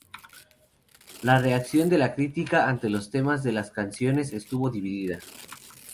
La reacción de la crítica ante los temas de las canciones estuvo dividida.